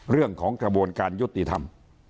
เรื่องของกระบวนการยุติธรรม